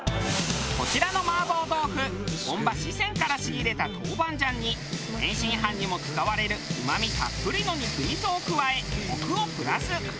こちらの麻婆豆腐本場四川から仕入れた豆板醤に天津飯にも使われるうまみたっぷりの肉味噌を加えコクをプラス。